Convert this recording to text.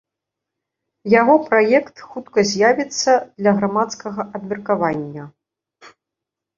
Яго праект хутка з'явіцца для грамадскага абмеркавання.